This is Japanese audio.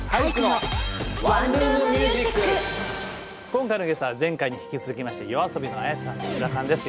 今今回のゲストは前回に引き続きましてＹＯＡＳＯＢＩのＡｙａｓｅさんとｉｋｕｒａさんです。